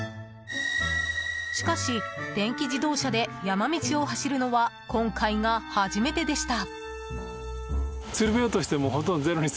しかし、電気自動車で山道を走るのは今回が初めてでした。